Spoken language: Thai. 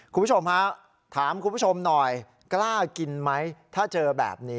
คุณผู้ชมฮะถามคุณผู้ชมหน่อยกล้ากินไหมถ้าเจอแบบนี้